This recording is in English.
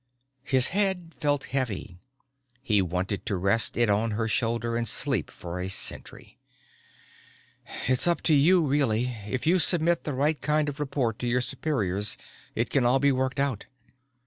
His head felt heavy, he wanted to rest it on her shoulder and sleep for a century. "It's up to you really. If you submit the right kind of report to your superiors it can all be worked out.